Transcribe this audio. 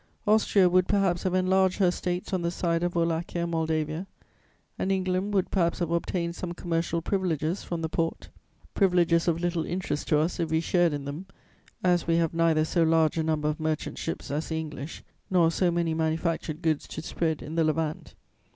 Austria would perhaps have enlarged her States on the side of Wallachia and Moldavia, and England would perhaps have obtained some commercial privileges from the Porte, privileges of little interest to us if we shared in them, as we have neither so large a number of merchant ships as the English, nor so many manufactured goods to spread in the Levant.